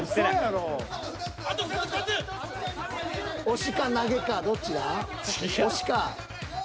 ［押しか投げかどっちだ？］